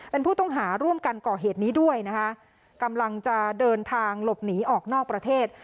เป็นผู้ต้องหาร่วมกันก่อเหตุนี้ด้วยนะคะกำลังจะเดินทางหลบหนีออกนอกประเทศ